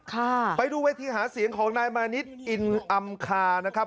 ค่ะไปดูเวทีหาเสียงของนายมานิดอินอำคานะครับ